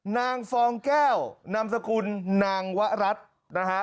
ฟองแก้วนามสกุลนางวะรัฐนะฮะ